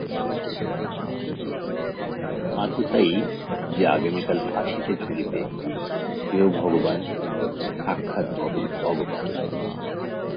আততায়ী, যে আগামীকাল ফাঁসিতে ঝুলিবে, সেও ভগবান্, সাক্ষাৎ ভগবান্।